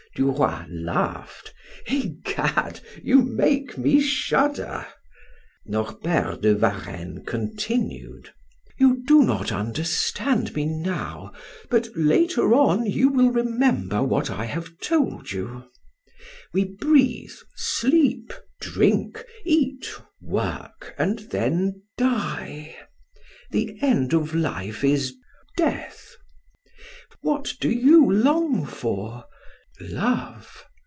Duroy laughed: "Egad, you make me shudder." Norbert de Varenne continued: "You do not understand me now, but later on you will remember what I have told you. We breathe, sleep, drink, eat, work, and then die! The end of life is death. What do you long for? Love?